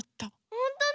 ほんとだ！